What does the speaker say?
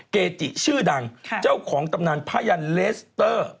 เกจิชื่อดังเจ้าของตำนานพยันเลสเตอร์